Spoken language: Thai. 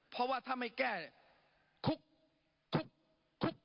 เพราะว่าถ้าไม่แก้คุกคุกคลั้น